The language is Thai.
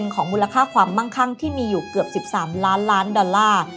ของมูลค่าความมั่งคั่งที่มีอยู่เกือบ๑๓ล้านล้านดอลลาร์